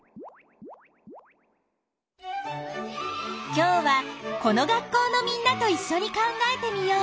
今日はこの学校のみんなといっしょに考えてみよう。